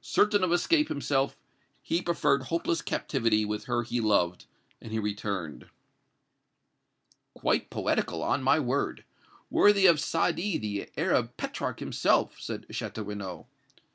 Certain of escape himself, he preferred hopeless captivity with her he loved, and he returned." "Quite poetical, on my word! Worthy of Sadi, the Arab Petrarch, himself!" said Château Renaud.